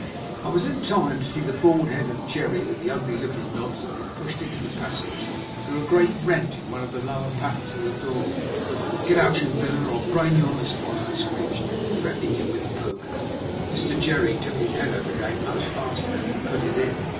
I was in time to see the bald head of Jerry, with the ugly looking knobs on it, pushed into the passage through a great rent in one of the lower panels of the door. "Get out, you villain, or I'll brain you on the spot!" I screeched, threatening him with the poker. Mr. Jerry took his head out again much faster than he put it in.